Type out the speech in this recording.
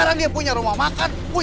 masih mulia di kimaupan